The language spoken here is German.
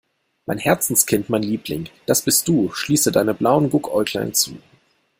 Mein Herzenskind, mein Liebling, das bist du, schließe deine blauen Guckäuglein zu.